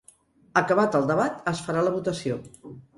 Acabat el debat, es farà la votació.